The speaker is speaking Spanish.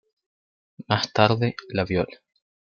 Más tarde, la viola.